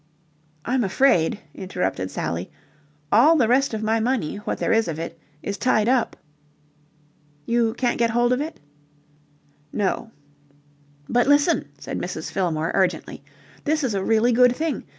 "I'm afraid," interrupted Sally, "all the rest of my money, what there is of it, is tied up." "You can't get hold of it?" "No." "But listen," said Mrs. Fillmore, urgently. "This is a really good thing.